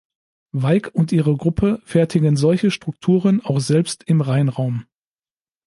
Weig und ihre Gruppe fertigen solche Strukturen auch selbst im Reinraum.